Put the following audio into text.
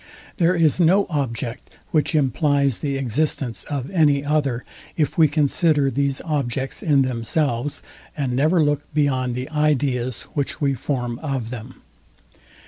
There is no object, which implies the existence of any other if we consider these objects in themselves, and never look beyond the ideas which we form of them.